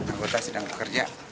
anggota sedang bekerja